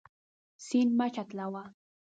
سیند مه چټلوه.